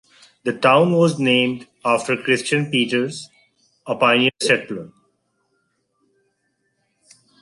The town was named after Christian Peters, a pioneer settler.